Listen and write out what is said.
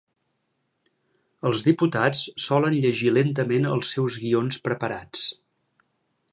Els diputats solen llegir lentament els seus guions preparats.